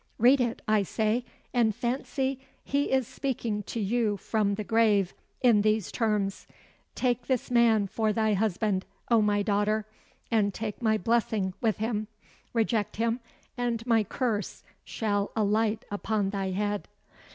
Read it, I say, and fancy he is speaking to you from the grave in these terms 'Take this man for thy husband, O my daughter, and take my blessing with him. Reject him, and my curse shall alight upon thy head.'"